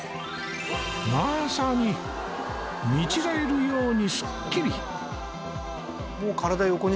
まさに見違えるようにすっきり